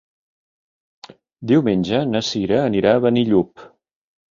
Diumenge na Sira anirà a Benillup.